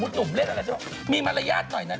สมมติหนุ่มเล็กอะไรมีมารยาทหน่อยนะคะ